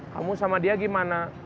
kamu sama dia gimana